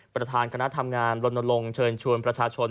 ประธานคณะทำงานลนลงเชิญชวนประชาชน